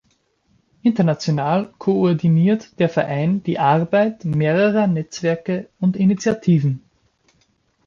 International koordiniert der Verein die Arbeit mehrerer Netzwerke und Initiativen.